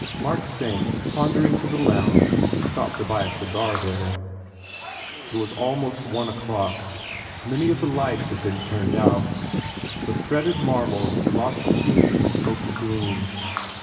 Mark sank pondering to the lounge and stopped to buy a cigar, there. It was almost one o clock. Many of the lights had been turned out. The threaded marble lost sheen in the smoky gloom.